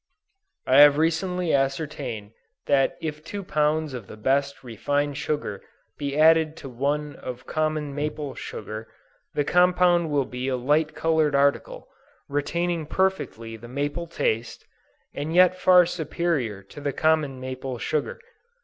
I have recently ascertained that if two pounds of the best refined sugar be added to one of common maple sugar, the compound will be a light colored article, retaining perfectly the maple taste, and yet far superior to the common maple sugar.